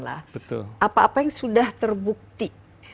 apa apa yang sudah terbukti